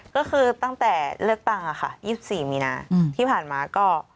ก็คือตั้งแต่เลือกตั้งค่ะ๒๔มีนาที่ผ่านมาก็